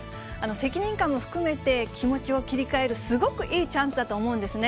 責任感も含めて、気持ちを切り替えるすごくいいチャンスだと思うんですね。